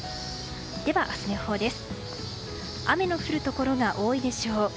では、明日の予報です。